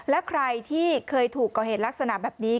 และใครที่เคยถูกก่อเหตุลักษณะแบบนี้